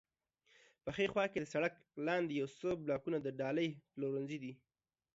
په ښي خوا کې د سړک لاندې یو څو بلاکونه د ډالۍ پلورنځی دی.